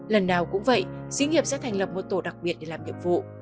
lần nào cũng vậy sĩ nghiệp sẽ thành lập một tổ đặc biệt để làm nhiệm vụ